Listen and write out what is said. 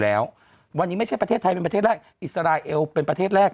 แล้ววันนี้ไม่ใช่ประเทศไทยเป็นประเทศแรกอิสราเอลเป็นประเทศแรก